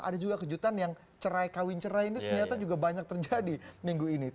ada juga kejutan yang cerai kawin cerai ini ternyata juga banyak terjadi minggu ini